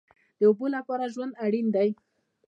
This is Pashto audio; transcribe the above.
د اوبو لپاره ژوند اړین دی